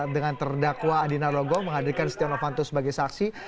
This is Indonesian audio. dengan terdakwa adina logo menghadirkan setonavanto sebagai saksi